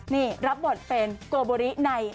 นี่รับบทเป็นโกโบริใน